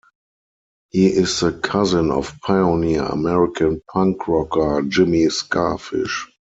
He is the cousin of pioneer American punk rocker Jimmy Skafish.